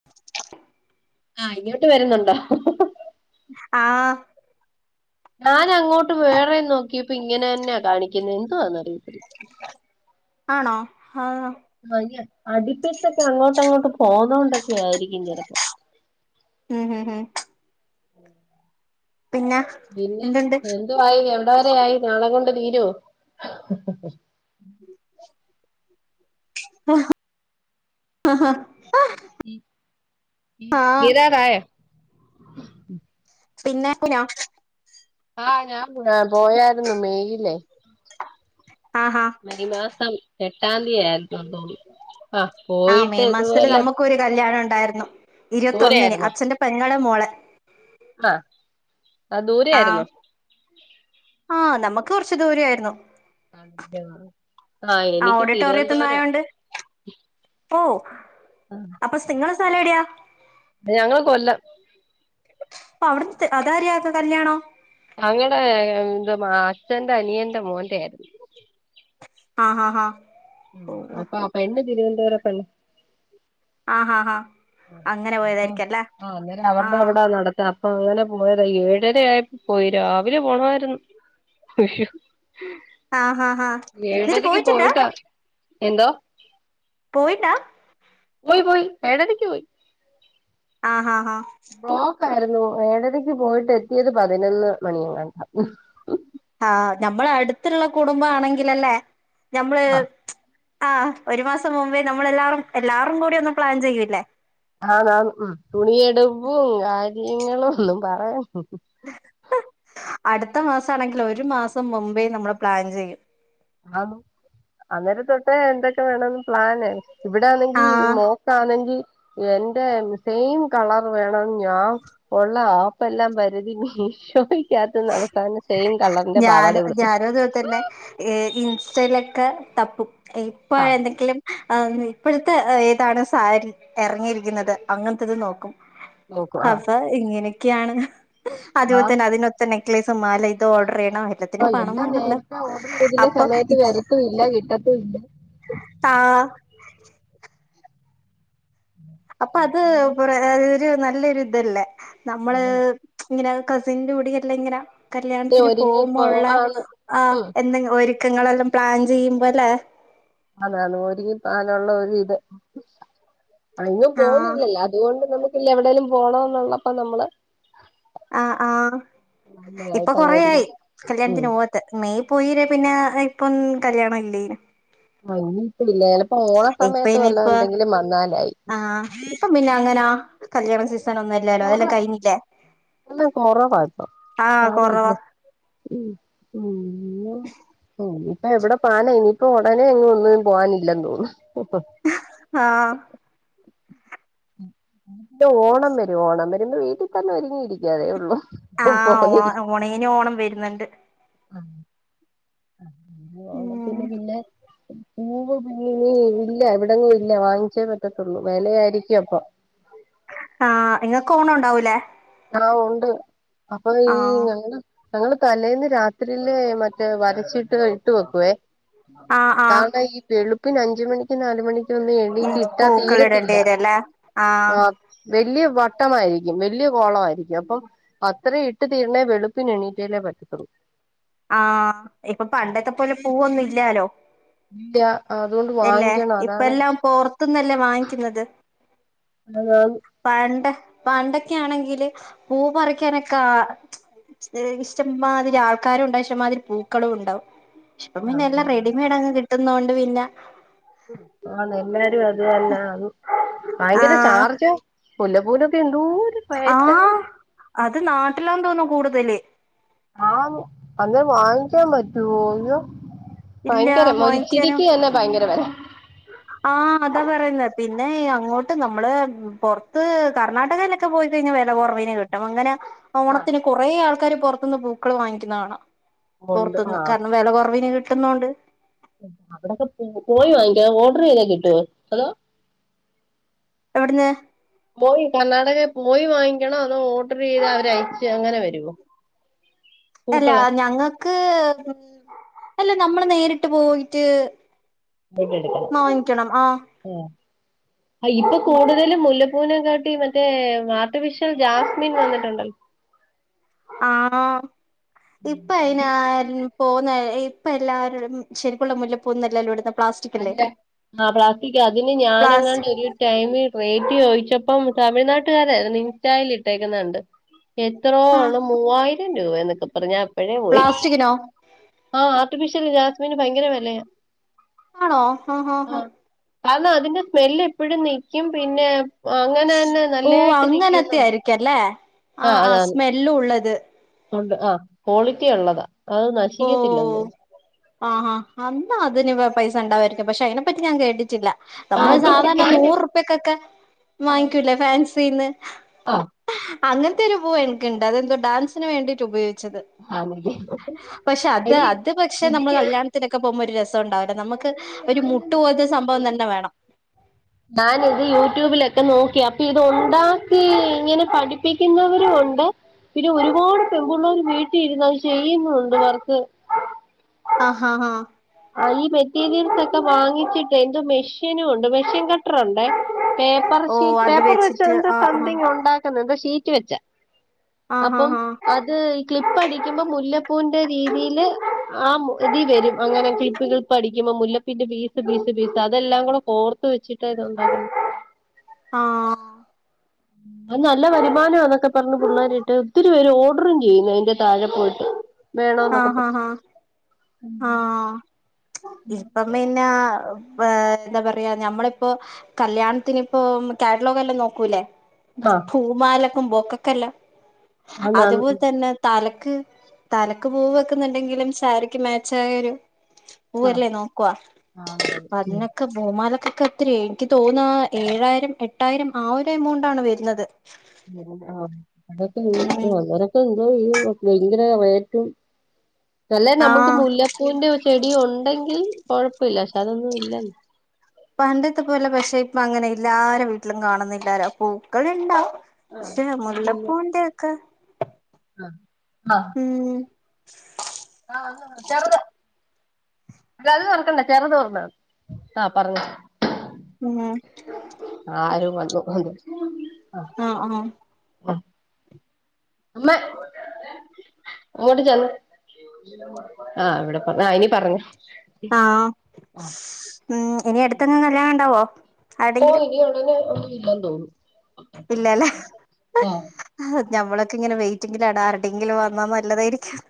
[unintelligible] ആഹ് ഇങ്ങോട്ട് വരുന്നുണ്ടോ ആഹ് ഞാനങ്ങോട്ട് വേറെം നോക്കിയപ്പോ ഇങ്ങനെന്നെയാ കാണിക്കുന്നെ എന്തോന്ന് അറിയത്തി ആണോ ആഹ് ആഹ് അടിപ്പിചക്കെ അങ്ങോട്ട അങ്ങോട്ട് പോണണ്ടൊക്കെ ആയിരിക്കും ചെലപ്പം ഉം ഉം ഉം [inaudible] പിന്നെ പിന്നെ എന്തുണ്ട് എന്തുവായി എവിടെ വരെ ആയി നാളെ കൊണ്ട് തീരോ [unintelligible] തീ ആഹ് തീരാറായോ പിന്നെ [inaudible] ക്കിനാേ ആഹ് ഞാൻ പോയാര്ന്നു മെയിലേ ആഹ് ഹ മെയ് മാസം എട്ടാംതി ആയിര ആഹ് ആഹ് പോയിട്ട് മെയ് ഇതുപോലെ ദൂരെ ഇരത്തൊന്നിന് ആയിരുന്നോ അച്ഛന്റെ പെങ്ങളെ മോളെ ആഹ് ആഹ് ദൂരെ ആയിരുന്നോ ആഹ് ആഹ് നമ്മക്ക് കൊറച് ദൂരെയരുന്നു ആഹ് എനിക്ക് ഓഡിറ്റോറിയത്ത് തിരുവനന്തപുരം ന്നായോണ്ട് ഓ അപ്പൊ സ് ങ്ങളെ സ്ഥലവിടയാ ഞങ്ങള് കൊല്ലം അപ്പ അവിട്ത്തെ അതാര്യാര്താ കല്ല്യാണം ഞങ്ങടെ ന്തെ അച്ഛന്റെ അനിയന്റെ മോന്റെആയിരുന്നു ആഹ് ഹാ ഹാ ഉം അപ്പ ആ പെണ്ണ് തിരുവനന്തപുര ത്തുള്ളെ ആഹ് ആഹ് ആഹ് അങ്ങനെ ഓ പോയതായിരിക്കും അല്ലേ ആ അന്നേരം അവര്ടെ ആഹ് അവടാ നടത്താ അങ്ങനെ പോയതാ ഏഴര ആയപ്പ പോയി രാവിലെ പോണായിരുന്ന്. ഉശോ ആഹ് ആഹ് ആഹ് എന്നിട്ട് ഏഴരക് പോയിട്ടുണ്ടാ പോയിട്ടാ എന്തോ. പോയില്ലാ. പോയ്‌ പോയ്‌ ഏഴരക് പോയി. ആഹാ ഹാ. ബ്ലോക്കായിരുന്നു ഏഴരക് പോയിട്ട് എത്തിയത് പതിനൊന്ന് മണിയങ്ങാണ്ടാ ആഹ് ഞമ്മളെ അട്ത്ത്ള്ള കുടുംബ ആണെങ്കിലല്ലേ ഞമ്മ്ള് ആഹ് ആഹ് ഒരു മാസം മുമ്പേ നമ്മളെല്ലാറും എല്ലാറും കൂടി ഒന്ന് പ്ലാൻ ചെയ്യൂല്ലേ ആന്നാന്ന് ഉം തുണിയെടുപ്പും കാര്യങ്ങളും ഒന്നും പറയൺ അട്ത്ത മാസാണെങ്കില് ഒരു മാസം മുമ്പേ നമ്മള് പ്ലാൻ ചെയ്യും. ആന്നു അന്നേരം തൊട്ടേ എന്തൊക്കെ വേണന്ന് പ്ലാനാണ് ഇവിടാണെങ്കി ആഹ് മോ ക്കാണെങ്കി എന്റെ സെയിം കളർ വേണം ഞാൻ ഒള്ളെ ആപ് പെല്ലാം പരതി മീശോക്കകത്തിന്നാ അവസാനം സെയിം കളറിന്റെ പാവാട ഉടുക്കും. ഏ ഇൻസ്റ്റേല്ക്കെ തപ്പും ഇപ്പൊ ആഹ് എന്തെങ്കിലും ആന്ന് ഇപ്പഴത്തെ ഏതാണ് സാരി എറങ്ങിയിരിക്ക്ന്നത് അങ്ങൻത്തത് നോക്കും. നോക്കും ആഹ് അപ്പ ഇങ്ങനെക്കെയാണ് ആഹ് അതുപോതന്നെ അതിനൊ നെക്ളൈസും മാലെ ഇത് ഓഡറെയണോ എല്ലത്തിനും ആഹ് പണം എല്ലാം വേണല്ലോ നേരത്തെ ഓർഡർ ചെയ്തില്ലേ അപ്പൊ സമയത്ത് ഇച്ചി വരത്തും ഇല്ല കിട്ടത്തും ഇല്ല ആഹ് അപ്പൊ അത് കൊറേ ഒരു നല്ലൊരു തല്ലേ നമ്മള് ആന്ന് ഇങ്ങനെ കസിന്റെ മുടി കെട്ടലിങ്ങന ദേ കല്യാണത്തിന് ഒരുങ്ങിപ്പോ പോവുമ്പള്ള ആന്ന് ആ ഉം എന്ത ഒരുക്കങ്ങളെല്ലം പ്ലാൻ ചെയ്യുമ്പോലേ അതാ അത് പോ [unintelligible] ഒരു ഇത്. അങ്ങ് ആഹ് പോന്നില്ലല്ലോ അതുകൊണ്ട് നമുക്ക്ല്ല എവിടെലും പോണന്നുള്ളപ്പ നമ്മള് ആ ആഹ് ഇപ്പൊ നല്ലതായിട്ട് അങ്ങ് ഒരുങ്ങി കൊറേയായി ഉം കല്ല്യാൺത്തിന് പോവാ തെ മെയ് പോയിലെ പിന്നെ ഇപ്പം കല്ല്യാണം ഇല്ലെയ്നു. ഭംഗി ഇപ്പ ഇല്ലേല് പ ഓണ ഇപ്പ സമയത്ത് ഇനി ഇപ്പൊ എന്തെങ്കിലും വന്നാലായി. ആഹ് ഇപ്പം പിന്ന അങ്ങനാ കല്ല്യാണ സീസൺ ഒന്നയ് ഇല്ലേലോ അതെല്ലം കയിഞ്ഞില്ലേ എല്ലാം കൊറവാ ഇപ്പൊ ആഹ് ആരും ഇല്ല കൊറവാ. ഉം ഉം [unintelligible] ഉം നിപ്പെ എവ്ടെ പാന ഇനിയിപ്പൊ ഒടനെ അങ്ങ് ഒന്നും പോവാനില്ലന്ന് തോന്നു ആഹ് ത് ഓണം വെരും ഓണം വെരുമ്പോ വീട്ടി തന്നെ ഒരുങ്ങിയിരികാറെ ഒള്ളൂ. ആഹ് ഓ ഓണയ്ന് ഓണം വെര്ന്ന്ണ്ട്. [unintelligible] ഉം ഓണതിന് പിന്നെ പൂവ് പിന്നനി ഇല്ല എവിടങ്ങും ഇല്ല വാങ്ങിച്ചേ പറ്റത്തുള്ളൂ വെലയായിരിക്കും അപ്പൊ. കാ ഇങ്ങക്ക് ഓണണ്ടാവൂലേ? ആ ഒണ്ട് അപ്പൊ ഈ ആഹ് ഞങ്ങളെ ഞങ്ങള് തലേന്ന് രാത്രില് മറ്റേ വരച്ചിട്ട് ഇട്ട് വെക്കുവേ. ആഹ് ആഹ് കാരണം ഈ വെളുപ്പിന് അഞ്ച് മണിക്കുംനാല് മണി ക്കൊന്നും ഉം എണീറ്റിട്ടാ പൂക്കൾ ഇടേണ്ടി തീരത്തില്ല വരല്ലേ ആഹ് ആ വെല്ല്യ വട്ടമായിരിക്കും വെല്ല്യ ഗോളമായിരിക്കും അപ്പം അത്രയും ഇട്ട് തീര്ണേ വെളുപ്പിന് എണീറ്റാലേ പറ്റത്തുള്ളൂ. ആഹ് ഇപ്പൊ പണ്ടത്തെ പോലെ പൂവൊന്നും ഇല്ലാലോ.. ട്ട്യാ എല്ലേ ഇപ്പ എല്ലാം പൊറ്ത്തുന്നല്ലേ വാങ്ങിക്ക്ന്നത്. [inaudible] പണ്ട് പണ്ടൊക്കെ ആണെങ്കില് പൂ പറിക്കാനൊക്കെ ആ ഇഷ്ടംമാതിരി ആൾക്കാരുണ്ട് ഇഷ്ടമാതിരി പൂക്കളും ണ്ടാവും ശ് ഇപ്പം ആഹ് പിന്നെല്ലാ റെഡിമെയഡ്ങ് കിട്ടുന്നോണ്ട് പിന്നെ ആ എല്ലാരു അത്തന്ന ഭയങ്കര ആഹ് ചാർജും മുല്ലപ്പൂനൊക്കെ എന്തോര് ആ് അത് നാട്ടിലാതോന്നു കൂടുതല് ആ അന്ന് വങ്ങിക്കാൻ പറ്റോ. ഇയ്യോ ഇല്ല ഭയങ്കരം ഒരുച്ചിരിക്കെന്നെ ഭയങ്കര വെലെ ആ അതാ പറയ്ന്നെ പിന്നെ അങ്ങോട്ട് നമ്മള് പൊർത്ത് കർണാടകേല് ക്കെ പോയി കഴിഞ്ഞാ വില കൊർവിന് കിട്ടും അങ്ങനെ ആഹ് ഓണത്തിന് കൊറെേ ആൾക്കാര് പൊറത്ത്ന്ന് പൂക്കള് വാങ്ങിക്കുന്നെ കാണം ഉണ്ട് പൊർത്ത്ന്ന് ആഹ് കാരണം വെല കുർവിന് കിട്ടുന്നൊണ്ട് അവിടൊക്കെ പോ പോയി വാങ്ങിക്കണം ഓഡറെയിതാ കിട്ടുവോ അതോ എവിട്ന്ന് പോയി കർണാടകേ പോയി വാങ്ങിക്കണോ അതോ ഓട്റെയ്ത് അവരയ്ച് അങ്ങനെ വെരോ [inaudible] അല്ല ഞങ്ങക്ക് അല്ല നമ്മൾ നേരിട്ട് പോയിട്ട് പോയിട്ട് എടുക്കണം വാങ്ങിക്കണം ആഹ് ആഹ് ഇപ്പൊ കൂടുതലും മുല്ലപ്പൂനെ കാട്ടിം മറ്റേ ആർട്ടിഫിഷ്യൽ ജാസ്മിൻ വന്നിട്ടുണ്ടല്ലോ ആ ആ ഇപ്പയിന് അത് ആരും പോവുന്നെ ഇപ്പെല്ലാരും ശരിക്കുള്ള മുല്ലപ്പൂന്നും എല്ലല്ലോ ഇട്ന്നെ അല്ല ആ പ്ലാസ്റ്റിക്കാ അതിന് പ്ലാസ് ഞാനങ്ങാണ്ടോര് ടൈമി റേറ്റ് ചോദിച്ചപ്പം തമിഴ്നാട്ടുകാര് ഇൻസ്റ്റായിൽ ഇട്ടേക്കുന്ന കണ്ട് എത്രോ ആഹ് ആണ് മൂവായിരം രൂപേന്നൊക്കെ പറഞ്ഞ് ഞാൻ അപ്പഴേ പോയി പ്ലാസ്റ്റിക്കിനോ ആ ആർട്ടിഫിഷ്യൽ ജാസ്മിന് ഭയങ്കര വെലയാ ആണോ ഹാ ഹാ ഹാ അതിന്റെ സ്മെല്ല് എപ്പഴും നിക്യും പിന്നെ അങ്ങനെ തന്നെ ഓ നല്ലതായിട്ട് അങ്ങനത്തെ നിക്കുന്ന് ആയിരിക്കും അല്ലേ ആ ആ സ്മെല്ലുള്ളത് ഉണ്ട് ആ ക്വാളിറ്റി ഉള്ളതാ അത് ഓ നശിക്കത്തില്ലെന്ന് തോന്നുന്നു ആഹാ അന്നതിന് പൈസ ഇണ്ടാവയിരിക്കും പക്ഷെ അയ്നെപ്പറ്റി ഞാൻ കേട്ടിട്ടില്ല നമ്മള് അതുണ്ട്. സാധാരണ ഞാൻ നൂർപ്യകൊക്കെ വാങ്ങിക്കൂല്ലേ ഫാൻസിന്ന് ആഹ് അങ്ങൻത്തെ ഒരു പൂവെനിക്ക്‌ണ്ട് അതെന്തോ ഡാൻസിന് വേണ്ടിട്ട് ഉപയോഗിച്ചത് [unintelligible] പഷെ അത് അത് പക്ഷെ നമ്മള് കല്യാണത്തിനൊക്കെ പോകുമ്പോ ഒരു രസ ണ്ടായിരുന്നു. നമുക്ക് ഒരു മുട്ട് പോൽത്തെ സംഭവം തന്നെ വേണം ഞാനിത് യൂട്യൂബിലൊക്കെ നോക്കി അപ്പൊ ഇത് ഉണ്ടാക്കി ഇങ്ങനെ പഠിപ്പിക്കുന്നവരും ഉണ്ട് പിന്നെ ഒരുപാട് പെൺപുള്ളാര് വീട്ടി ഇരുന്ന് അത് ചെയ്യുന്നുണ്ട് വർക്ക് അ ഹാ ഹാ ആ ഈ മെറ്റീരിയൽസ് ഒക്കെ വാങ്ങിച്ചിട്ടെ എന്തോ മെഷീനും ഉണ്ട് മെഷീൻ കട്ടറുണ്ടേ പേപ്പർ ഓ ഷീറ്റ് അത് പേപ്പർ വെച്ചിട്ട് വെച്ചന്ത ആഹ് സംതിങ് ഉണ്ടാ ഷീറ്റ് വെച്ച ആഹ് അപ്പം ആഹ് ആഹ് അത് ക്ലിപ്പ് അടിക്കുമ്പോ മുല്ലപ്പൂന്റെ രീതില് ആ ഇതി വരും അങ്ങനെ ക്ലിപ്പ് ക്ലിപ്പ് അടിക്കുമ്പോ മുല്ലപ്പിന്റെ പീസ് പീസ് പീസ് അതെല്ലാം കൂടെ കോർത്ത് വെച്ചിട്ട് ഇതുണ്ടാ ആഹ് അത് നല്ല വരുമാന ന്നൊക്കെ പർഞ്ഞു പിള്ളേരിട്ട് ഒത്തിരി പേര് ഓർഡറും ചെയ്യുന്നു അയ്ന്റെ താഴെ പോയിട്ട് ആഹ് ആഹ് വേണോന്നൊക്കെപ്പം ആഹ് ആഹ് ഉം ആഹ് ഇപ്പം പിന്നെ ഏഹ് എന്താ പറ്യാ ഞമ്മളിപ്പോ കല്യാണത്തിന്പ്പോ കാറ്റലോഗല്ലം നോക്കൂല്ലേ ആഹ് പൂമാലക്കും ബൊക്കൊക്കെല്ല അത്പോൽ ആന്നാന്ന് തന്നെ തലക്ക് തലക്ക് പൂവ് വെക്ക്ന്ന്ണ്ടെങ്കിലും സാരിക്ക് മേച്ചായൊരു ആഹ് പോവൂല്ലേ നോക്കുവാ ആന്നാന്ന് അപ്പ അതിനൊക്കെ പൂമാലക്കൊക്കെത്ര്യേ എനിക്ക് തോന്നാ ഏഴായിരം എട്ടായിരം ആ ഒര് എമൗണ്ടാണ് വര്ന്നത്. [unintelligible] ആഹ് അതൊക്കെ ഈ വന്നോരോ ഇപ്പൊ എന്തോ ചെയ്യും ഭയങ്കര റേറ്റും നല്ലേ നമ്മക്ക് ആഹ് മുല്ല പൂവിന്റെ ചെടി ഉണ്ടെങ്കിൽ കൊഴപ്പല്ല പക്ഷെ അതൊന്നും ഇല്ലല്ലോ പണ്ടത്തെ പോലെ പക്ഷെ ഇപ്പ അങ്ങനെ എല്ലാരേ വീട്ടിലും കാണുന്നില്ലാലോ പൂക്കള്ണ്ടാവും പക്ഷെ മുല്ലപ്പൂവിന്റെക്കെ ആഹ് ആഹ് മ്മ് ആഹ ആ ചെറുത്- ആഹ് പറഞ്ഞോ ഉം ആരോ വന്ന് അതാ ആഹ് ആഹ് അമ്മേ അങ്ങോട്ട് ചെല്ല് ആഹ് ഇവിടെ പറഞ്ഞാ ആഹ് ഇനി പറഞ്ഞോ ആഹ് ഉം ഇനി അട്ത്തങ്ങ് കല്യാണണ്ടാവോ ഓഹ് ഇനി ഉടനെ ഒന്നും ഇല്ലെന്ന് തോന്നു ഇല്ലാല്ലേ ഞമ്മളൊക്കെങ്ങനെ വൈറ്റിങ്ങിലാണ് ആര്ടെങ്കിലും വന്നാ നല്ലതായിരിക്കും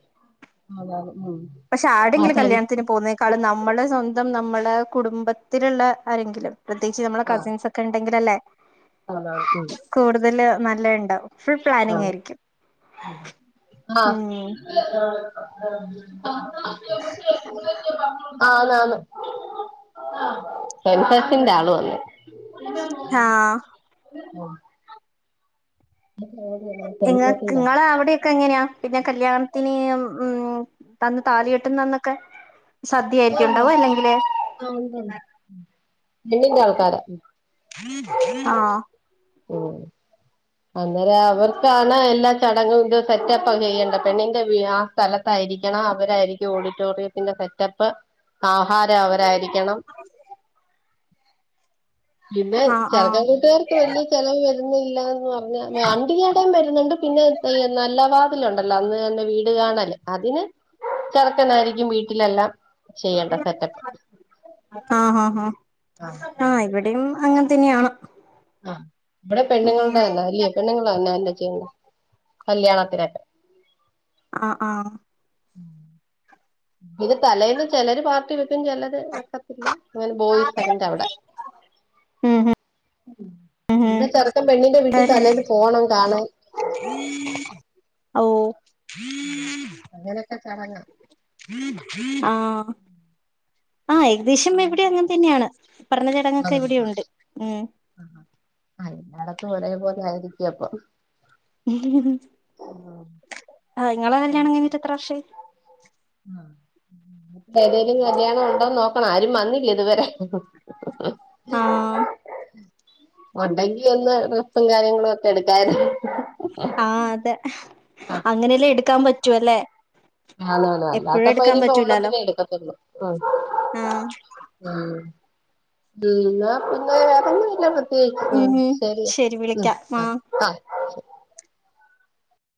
അതാണ് ഉം പക്ഷെ ആഹ് ആര്ടെങ്കിലും സെൻ കല്യാണത്തിന് പോവ്ന്നെ ക്കാളും നമ്മളെ സ്വന്തം നമ്മളെ കുടുംബത്തില്ള്ള ആരെങ്കിലും പ്രത്യേയിച്ച് നമ്മളെ ആഹ് കസിൻസൊക്കെ ഇണ്ടെങ്കിലല്ലേ ആന്നാന്ന് ഉം കൂടുതല് നല്ലേണ്ടാവും ഫുൾ ആന്ന് പ്ലാനിങ്ങായിരിക്കും. ആഹ് ആഹ് സെൻസസിന്റെ ആള് വന്ന് ആഹ് ആഹ [unintelligible] ഉ [unintelligible] ഇങ്ങക്ക് ഇങ്ങളെ അവടിം ക്കെങ്ങനെ പിന്നെ കല്യാണത്തിന് മ്മ് തന്ന് താലി കെട്ട്ന്നന്നൊക്കെ സദ്യയായിരിക്കോ ഇണ്ടാവാ അല്ലെങ്കില് ആഹ് ഉണ്ട്ണ്ട് പെണ്ണിന്റാള്ക്കാരാ ആഹ് ഓഹ് അന്നേരം അവർക്കാണ് എല്ലാ ചടങ്ങോക്കെ സെറ്റപ്പാ ചെയ്യേണ്ട പെണ്ണിന്റെ വി ആഹ് സ്ഥലത്തായിരിക്കണം അവരായിരിക്കും ഓഡിറ്റോറിയത്തിന്റെ സെറ്റപ്പ് ആഹാരം അവരായിരി ക്കണം പിന്നെ ആഹ് ആഹ് ചെറക്കൻ വീട്ടാർക്ക് വല്ല്യ ചെലവ് വരുന്നില്ലന്ന് പറഞ്ഞാ [unintelligible] കുടിയടം വര്ന്നുണ്ട് പിന്നെ നല്ല വാതിലുണ്ടല്ലോ അന്ന് തന്നെ വീട് കാണല് അതിന് ചെറ്ക്കനായിരിക്കും വീട്ടിലെല്ലാം ചെയ്യേണ്ട സെറ്റപ്പ് ആഹ് ആഹ് ആ ഹാ ഇവടിം അങ്ങനെ തന്നെയാണ് ആഹ് ഇവടെ ഉം പെണ്ണ്‌ങ്ങള്ടെ തന്നെ അല്ലേ പെണ്ണ്ങ്ങള് തന്നെ എല്ലാ ചെയ്യ്ന്നെ കല്യാണത്തിനൊക്കെ ആഹ് ആഹ്. ഇത് തലേന്ന് ചിലര് പാർട്ടി വെക്കും ചിലര് വെക്കത്തില്ല അങ്ങനെ ബോയ്സ് അതിന്റെ അവിടെ- ഉം ഉം ഉം ഉം പിന്നെ ചെറുക്കൻ പെണ്ണിന്റെ വീട്ടിൽ അതെ തലേന്ന് പോണം കാണാൻ. ഓ.. അങ്ങനെയൊക്കെ ചടങ്ങ്. [inaudible] ആഹ്.. ആഹ്, ഏകദേശം ഇവിടെ അങ്ങനെ തന്നെയാണ്. പറഞ്ഞ ചടങ്ങൊക്കെ ഇവിടെയുണ്ട്. ഉം. ആഹ് ആഹ് എല്ലാടത്തും ഒരേപോലെ ആയിരിക്ക്യും അപ്പം ആ നിങ്ങളെ കല്യാണം കഴിഞ്ഞിട്ട് എത്ര വർഷായി? [inaudible] ഏതേലും കല്യാണം ഉണ്ടോന്ന് നോക്കണ, ആരും വന്നില്ലേ ഇതുവരെ? ആഹ് ഉണ്ടങ്കി ഒന്ന് ട്രസ്സും കാര്യങ്ങളും ഒക്കെ എടുക്കയി [inaudible] ആ അതെ, അങ്ങനെല്ലെ എടുക്കാൻ പറ്റു അല്ലേ? അതെ അതെ എപ്പോഴും അല്ലാത്തപ്പ എടുക്കാൻ പറ്റൂലാലോ ഇനിയിപ്പോണത്തിന്നെ എടുക്കത്തുള്ളു. ആഹ് ആഹ്‌, ഉം എന്നാ പിന്നെ വേറൊന്നും ഇല്ല പ്ര ഉം ശരി ഉം വിളിക്കാം അ ആഹ് ആ...